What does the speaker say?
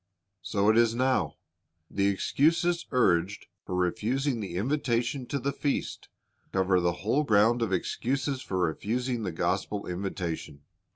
So it is now. The excuses urged for refusing the invitation to the feast cover the whole ground of excuses for refusing the gospel invitation.